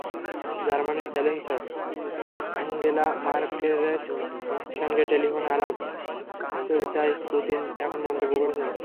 জার্মানির chancellor Angela ম্যার্কেলের সঙ্গে টেলিফোন আলাপচারিতায় পুতিন এমন মন্তব্য করেছেন।